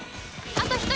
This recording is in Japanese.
あと１人。